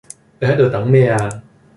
你喺度等咩呀